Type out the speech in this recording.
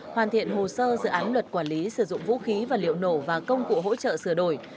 hoàn thiện hồ sơ dự án luật quản lý sử dụng vũ khí và liệu nổ và công cụ hỗ trợ sửa đổi